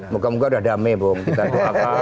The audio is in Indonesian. muka muka udah damai bung kita doakan